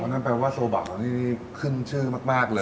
นั่นแปลว่าโซเบานี่ขึ้นชื่อมากเลย